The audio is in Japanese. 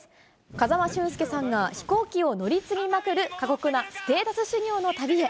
風間俊介さんが飛行機を乗り継ぎまくる過酷なステータス修行の旅へ。